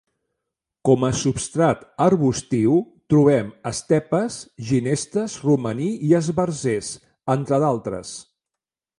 Com a substrat arbustiu trobem estepes, ginestes, romaní i esbarzers, entre d'altres.